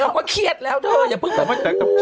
เราก็เครียดแล้วเถอะ